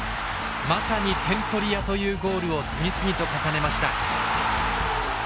まさに点取り屋というゴールを次々と重ねました。